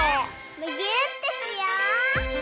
むぎゅーってしよう！